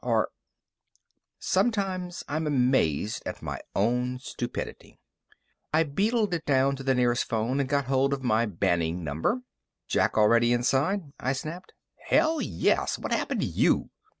Or Sometimes, I'm amazed at my own stupidity. I beetled it down to the nearest phone and got hold of my BANning number. "Jack already inside?" I snapped. "Hell, yes! What happened to you?"